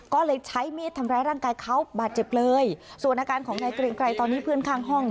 ก็เลยใช้มีดทำร้ายร่างกายเขาบาดเจ็บเลยส่วนอาการของนายเกรงไกรตอนนี้เพื่อนข้างห้อง